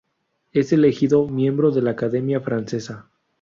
Es elegido miembro de la Academia francesa.